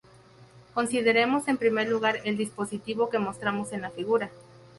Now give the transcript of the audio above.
Consideremos en primer lugar el dispositivo que mostramos en la figura.